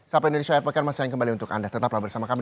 sapa indonesia air pekan masih kembali untuk anda tetaplah bersama kami